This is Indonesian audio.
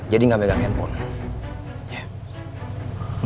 jadi gak pegang handphone